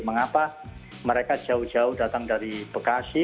mengapa mereka jauh jauh datang dari bekasi